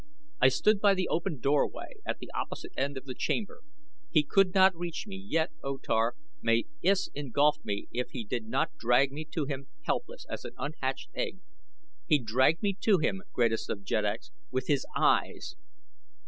I stood by the open doorway at the opposite side of the chamber. He could not reach me, yet, O Tar, may Iss engulf me if he did not drag me to him helpless as an unhatched egg. He dragged me to him, greatest of jeddaks, with his eyes!